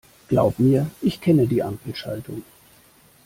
Glaub mir, ich kenne die Ampelschaltung.